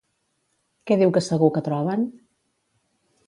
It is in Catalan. Què diu que segur que troben?